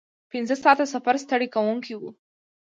پنځه ساعته سفر ستړی کوونکی و.